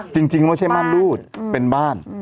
จริงไม่ใช่ม่านรูดเป็นบ้าน